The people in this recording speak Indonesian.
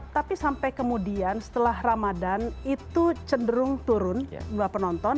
tapi sampai kemudian setelah ramadhan itu cenderung turun jumlah penonton